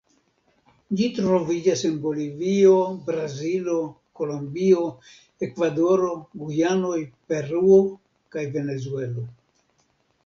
Ĝi troviĝas en Bolivio, Brazilo, Kolombio, Ekvadoro, Gujanoj, Peruo, kaj Venezuelo.